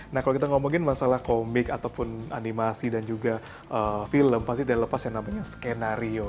nah kalau kita ngomongin masalah komik ataupun animasi dan juga film pasti tidak lepas yang namanya skenario